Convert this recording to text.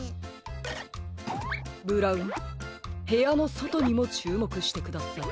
ブラウンへやのそとにもちゅうもくしてください。